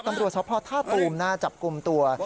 ตำรวจท่าพ่อท่าตูมน่าจับกลุ่มตัว